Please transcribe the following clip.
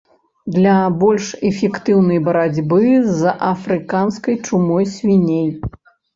Для больш эфектыўнай барацьбы з афрыканскай чумой свіней.